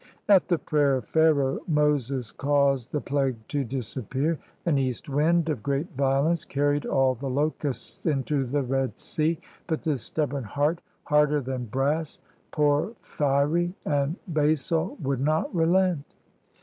At the prayer of Pharaoh, Moses caused the plague to disappear ; an east wind, of great violence, carried all the locusts into the Red Sea ; but this stubborn heart, harder than brass, porphyry, and basalt, would not relent.